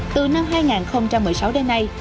từ năm hai nghìn một mươi sáu đến nay